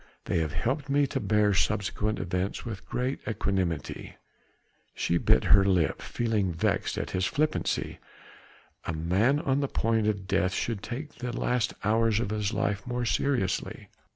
they have helped me to bear subsequent events with greater equanimity." She bit her lip, feeling vexed at his flippancy. A man on the point of death should take the last hours of his life more seriously.